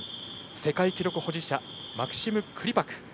世界記録保持者マクシム・クリパク。